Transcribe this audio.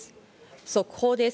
速報です。